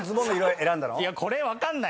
これ分かんない。